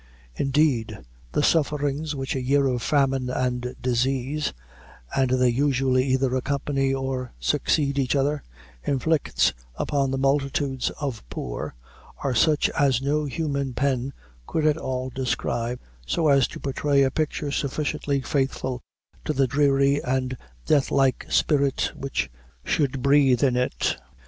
Indeed the sufferings which a year of famine and disease and they usually either accompany or succeed each other inflicts upon the multitudes of poor, are such as no human pen could at all describe, so as to portray a picture sufficiently faithful to the dreary and death like spirit which should breath in it.